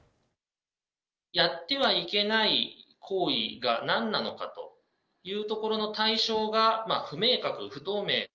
やってはいけない行為がなんなのかというところの対象が不明確、不透明。